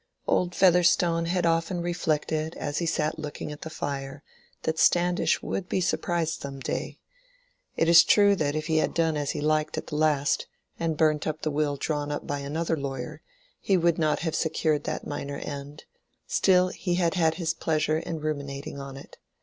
Old Featherstone had often reflected as he sat looking at the fire that Standish would be surprised some day: it is true that if he had done as he liked at the last, and burnt the will drawn up by another lawyer, he would not have secured that minor end; still he had had his pleasure in ruminating on it.